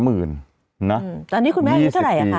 อือตอนนี้คุณแม่พอที่ไหร่ฮะ